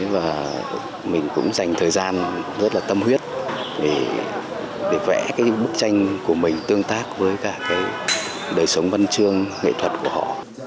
và mình cũng dành thời gian rất là tâm huyết để vẽ cái bức tranh của mình tương tác với cả cái đời sống văn chương nghệ thuật của họ